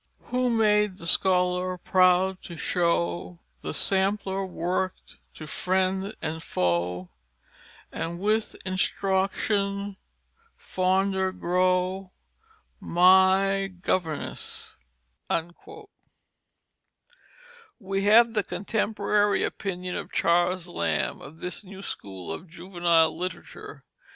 "Who made the Scholar proud to show The Sampler work'd to friend and foe, And with Instruction fonder grow? My Governess." We have the contemporary opinion of Charles Lamb of this new school of juvenile literature.